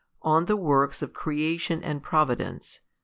On the works of Creation and Providence.